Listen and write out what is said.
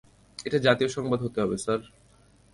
এটা জাতীয় সংবাদ হতে হবে, স্যার।